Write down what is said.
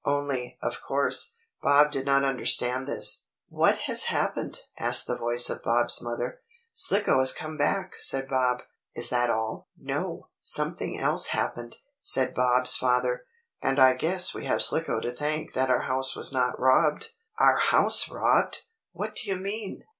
Only, of course, Bob did not understand this. "What has happened?" asked the voice of Bob's mother. "Slicko has come back," said Bob. "Is that all?" "No, something else happened," said Bob's father, "and I guess we have Slicko to thank that our house was not robbed." "Our house robbed! What do you mean?"